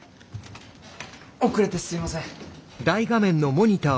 遅れてすいません。